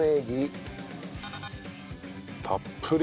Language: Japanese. たっぷり。